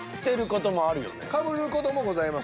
かぶる事もございます。